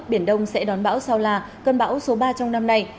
biển đông sẽ đón bão sao la cơn bão số ba trong năm nay